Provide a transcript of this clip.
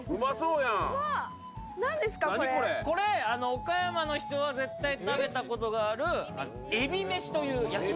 岡山の人は絶対食べたことがある、えびめしという。